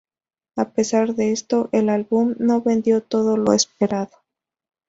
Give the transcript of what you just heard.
A pesar de esto, el álbum no vendió todo lo esperado.